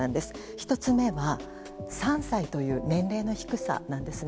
１つ目は、３歳という年齢の低さなんですね。